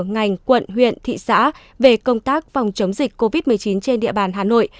ngành quận huyện thị xã về công tác phòng chống dịch covid một mươi chín trên địa bàn hà nội